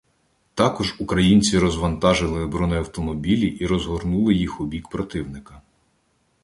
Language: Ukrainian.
Також українці розвантажили бронеавтомобілі і розгорнули їх у бік противника.